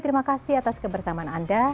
terima kasih atas kebersamaan anda